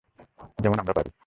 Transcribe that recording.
যেমন আমি পারি।